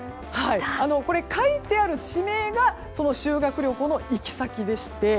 これ、書いてある地名がその修学旅行の行き先でして。